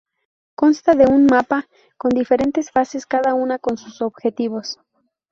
Consta de un mapa con diferentes fases, cada una con sus objetivos.